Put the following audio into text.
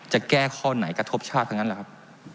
จะแก้ข้อไหนกระทบชาติทั้งนั้นแหละครับ